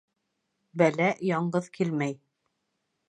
Бәлә яңғыҙ килмәй.